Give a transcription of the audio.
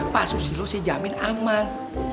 pak susilo sih jamin aman